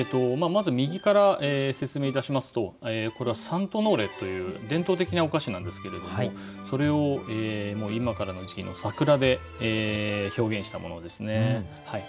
まず右から説明いたしますとこれはサントノーレという伝統的なお菓子なんですけれどもそれを今からの時期の桜で表現したものですね。